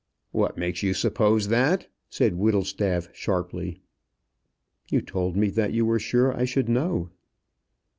"What makes you suppose that?" said Whittlestaff, sharply. "You told me that you were sure I should know."